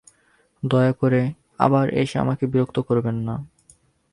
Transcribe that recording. দয়া করে আবার এসে আমাকে বিরক্ত করবেন না।